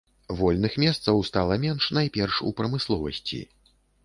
Вольных месцаў стала менш найперш у прамысловасці.